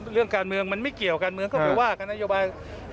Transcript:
เรื่องการเมืองมันไม่เกี่ยวการเมืองก็ไปว่ากันนโยบาย